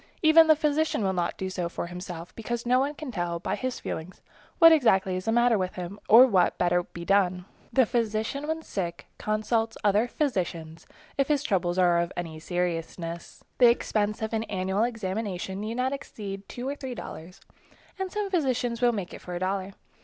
Even the physician will not do so for himself, because no one can tell by his feelings exactly what is the matter with him or what would better be done. The physician when sick, consults other physicians, if his trouble is of any seriousness. The expense of an annual examination need not exceed two or three dollars, and some physicians will make it for a dollar.